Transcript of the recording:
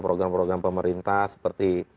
program program pemerintah seperti